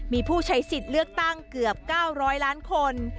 มีผู้ใช้สิทธิ์เลือกตั้งเกือบ๙๐๐ล้านคน